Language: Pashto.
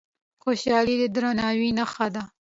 خوشالي د درناوي نښه ده.